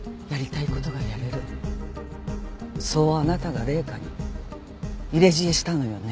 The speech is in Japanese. そうあなたが麗華に入れ知恵したのよね？